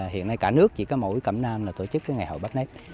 hiện nay cả nước chỉ có mỗi cầm nam tổ chức ngày hội bắp nếp